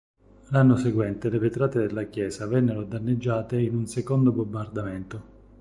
L'anno seguente le vetrate della chiesa vennero danneggiate in un secondo bombardamento.